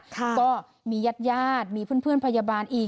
ก็มีญาติญาติมีเพื่อนพยาบาลอีก